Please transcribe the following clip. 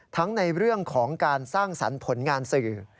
ในเรื่องของการสร้างสรรค์ผลงานสื่อ